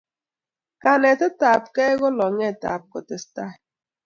kanetet apkei ko longet ap kotestai